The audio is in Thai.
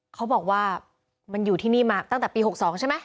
เขาบอกว่ามันอยู่ที่นี่มาตั้งแต่ปี๖๒ใช่ไหม